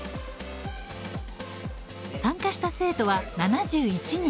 参加した生徒は７１人。